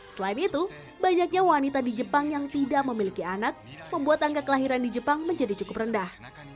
selain itu banyaknya wanita di jepang yang tidak memiliki anak membuat angka kelahiran di jepang menjadi cukup rendah